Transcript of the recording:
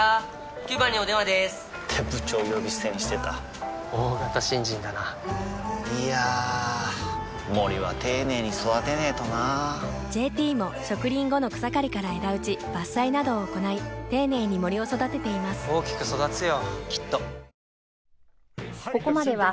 ９番にお電話でーす！って部長呼び捨てにしてた大型新人だないやー森は丁寧に育てないとな「ＪＴ」も植林後の草刈りから枝打ち伐採などを行い丁寧に森を育てています大きく育つよ